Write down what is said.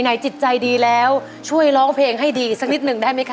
จิตใจดีแล้วช่วยร้องเพลงให้ดีสักนิดหนึ่งได้ไหมคะ